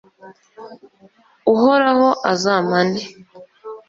uhoraho azampane